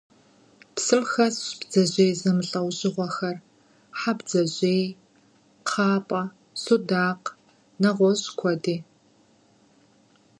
Псым хэсщ бдзэжьей зэмылӀэужьыгъуэхэр: хьэбдзэжъей, кхъапӀэ, судакъ, нэгъуэщӀ куэди.